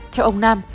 theo ông nam